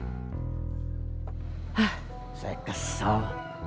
hah saya kesel